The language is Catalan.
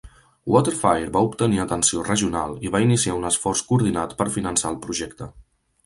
WaterFire va obtenir atenció regional i va iniciar un esforç coordinat per finançar el projecte.